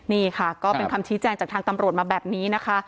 นี่ค่ะก็เป็นคำชี้แจงจากทางตำรวจมาแบบนี้นะคะ